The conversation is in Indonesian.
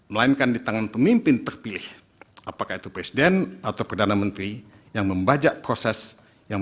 melainkan di tangan pemimpin terpilih apakah itu presiden atau perdana menteri yang membajak proses yang